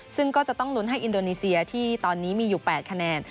ซึ่งก็จะต้องลุ้นให้อินโดนีเซียที่ตอนนี้มีอยู่๘คะแนน